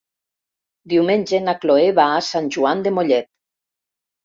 Diumenge na Cloè va a Sant Joan de Mollet.